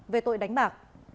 về tội đánh bạc